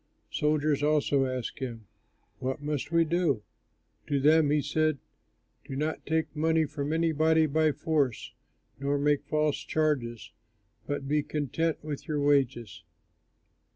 Soldiers also asked him, "And what must we do?" To them he said, "Do not take money from anybody by force, nor make false charges, but be content with your wages."